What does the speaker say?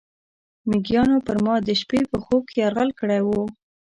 میږیانو پر ما د شپې په خوب کې یرغل کړی و.